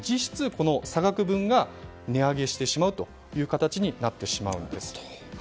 この差額分が値上げしてしまうという形になってしまうんです。